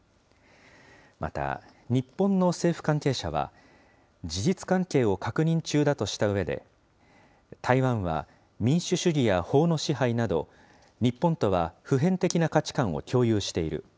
また、日本の政府関係者は、事実関係を確認中だとしたうえで、台湾は民主主義や法の支配など、日本とは普遍的な価値観を共有している。